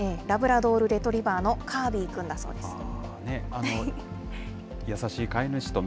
ラブラドールレトリバーのカーリー君だそうです。